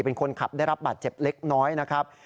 เป็นคนขับได้รับบาดเจ็บเล็กน้อยนะครับ